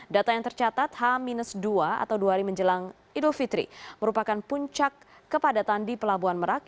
data yang tercatat h dua atau dua hari menjelang idul fitri merupakan puncak kepadatan di pelabuhan merak